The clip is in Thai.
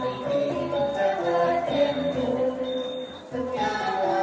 การทีลงเพลงสะดวกเพื่อความชุมภูมิของชาวไทย